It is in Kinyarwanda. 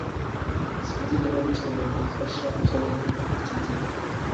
sinzi niba dushobora gufasha tom iki gihe